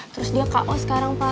terus dia kok sekarang pak